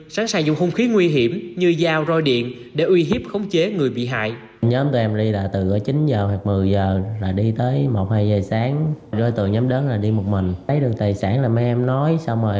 sẵn sàng dùng hung khí nguy hiểm như dao roi điện để uy hiếp khống chế người bị hại